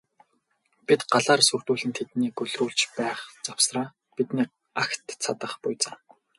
Бид галаар сүрдүүлэн тэднийг гөлрүүлж байх завсраа бидний агт цадах буй за.